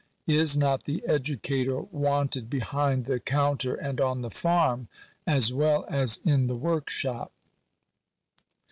Is not the educator wanted behind the counter and on the farm, as well as in the workshop